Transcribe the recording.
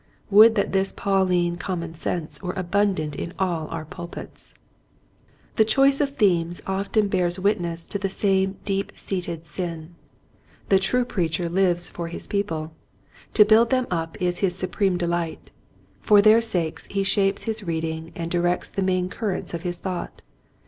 Would that this Pauline com mon sense were abundant in all our pulpits ! Tb'" choice of themes often bears wit ness to this same deep seated sin. The true preacher lives for his people. To build them up is his supreme delight. For their sakes he shapes his reading and directs the main currents of his thought.